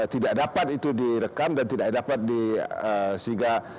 tidak dapat itu direkam dan tidak dapat disingga